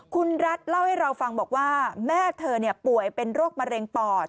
คุณรัฐเล่าให้เราฟังบอกว่าแม่เธอป่วยเป็นโรคมะเร็งปอด